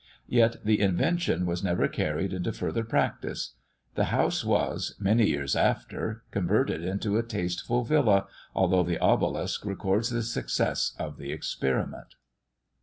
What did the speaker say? Yet, the invention was never carried into further practice. The house was, many years after, converted into a tasteful villa, although the obelisk records the success of the experiment.